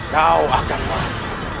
kau akan mati